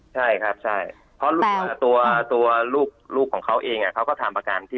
ใช่ครับใช่